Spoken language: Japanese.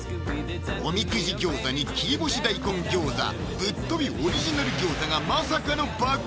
おみくじ餃子に切り干し大根餃子ぶっ飛びオリジナル餃子がまさかの爆売れ！